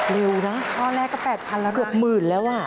เร็วนะเกือบหมื่นแล้วอ่ะข้อแรกก็๘๐๐๐บาทแล้วนะ